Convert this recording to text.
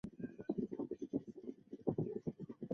母封余姚县君。